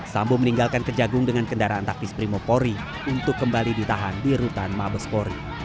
sambo meninggalkan kejagung dengan kendaraan taktis primo polri untuk kembali ditahan di rutan mabespori